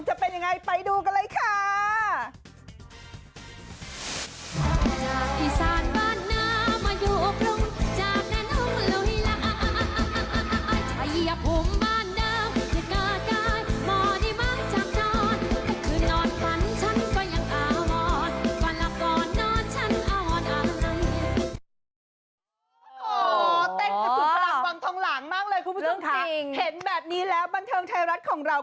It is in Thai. จะเป็นยังไงไปดูกันเลยค่ะ